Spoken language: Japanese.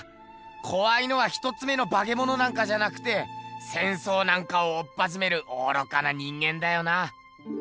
こわいのは一つ目のバケモノなんかじゃなくて戦争なんかをおっぱじめる愚かな人間だよな。